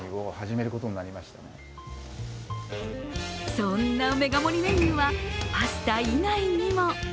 そんなメガ盛りメニューは、パスタ以外にも。